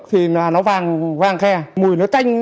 thì nó vàng khe mùi nó tanh